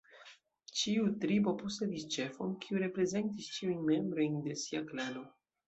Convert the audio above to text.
Ĉiu tribo posedis ĉefon, kiu reprezentis ĉiujn membrojn de sia klano.